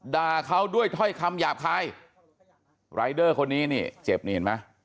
ด่าเขาด้วยถ้อยคำหยาบคายรายเดอร์คนนี้นี่เจ็บนี่เห็นไหม